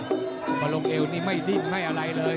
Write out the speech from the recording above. พอลงเอวนี่ไม่ดิ้นไม่อะไรเลย